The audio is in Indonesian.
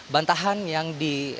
bantahan yang di